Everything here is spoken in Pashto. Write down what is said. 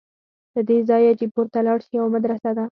له دې ځایه چې پورته لاړ شې یوه مدرسه ده.